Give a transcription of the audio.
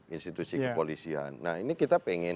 institusi kepolisian nah ini kita pengen